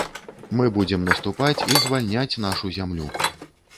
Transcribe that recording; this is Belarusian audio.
Мы будзем наступаць і звальняць нашу зямлю.